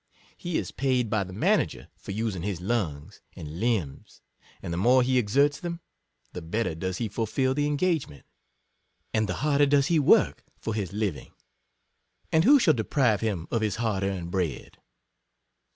He is paid by the manager for using his lungs and limbs, and the more he exerts them, the bet ter does he fulfil the engagement, and the e 2 56 harder does he ivork for his living — and who shall deprive him of his "hard earned bread?"